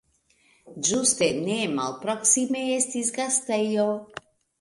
Ĝuste nemalproksime estis gastejo.